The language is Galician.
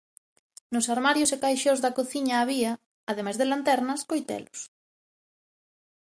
Nos armarios e caixóns da cociña había, ademais de lanternas, coitelos.